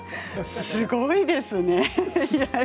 すごいですね。